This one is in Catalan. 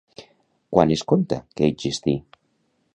Quan es conta que existí?